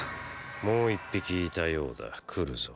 もう一匹いたようだ来るぞ。